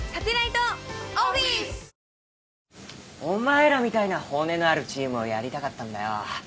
お前らみたいな骨のあるチームをやりたかったんだよ。